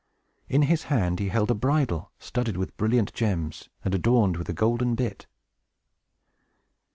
In his hand he held a bridle, studded with brilliant gems, and adorned with a golden bit.